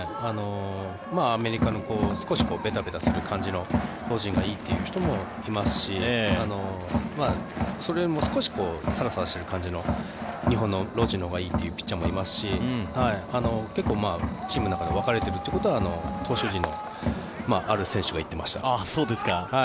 アメリカの少しベタベタする感じのロジンがいいという人もいますしそれよりも少しサラサラしている感じの日本のロジンのほうがいいというピッチャーもいますし結構、チームの中で分かれているということは投手陣のある選手が言ってました。